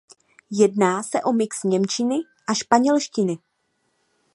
Jedná se o mix němčiny a španělštiny.